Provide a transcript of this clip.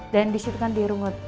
dan disitu kan di hermod